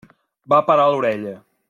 Va parar l'orella.